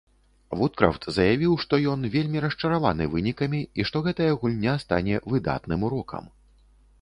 Вудкрафт заявіў, што ён вельмі расчараваны вынікам і што гэтая гульня стане выдатным урокам.